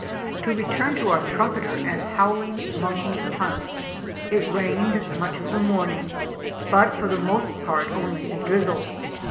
To return to our Trumpeter and howling monkey hunt; it rained much of the morning, but for the most part only a drizzle.